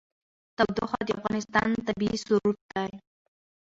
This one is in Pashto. تودوخه د افغانستان طبعي ثروت دی.